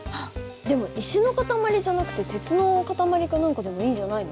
でも石の塊じゃなくて鉄の塊か何かでもいいんじゃないの？